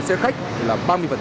xe khách là ba mươi